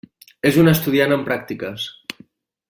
És un estudiant en pràctiques.